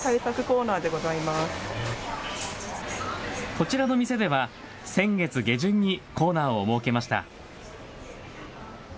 こちらの店では先月下旬にコーナーを設けました。